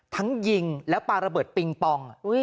ทั้งยิงและปลาระเบิดปิงปอง